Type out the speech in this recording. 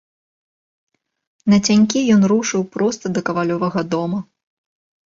Нацянькі ён рушыў проста да кавалёвага дома.